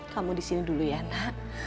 kamu disini dulu ya nak